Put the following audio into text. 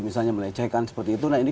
misalnya melecehkan seperti itu nah ini